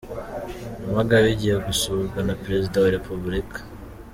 Nyamagabe igiye gusurwa na Perezida wa Repubulika